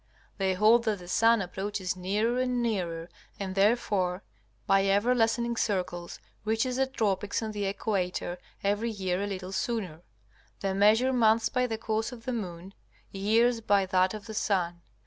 They hold that the sun approaches nearer and nearer, and therefore by ever lessening circles reaches the tropics and the equator every year a little sooner. They measure months by the course of the moon, years by that of the sun.